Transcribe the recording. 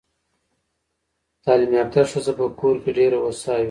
تعلیم یافته ښځه په کور کې ډېره هوسا وي.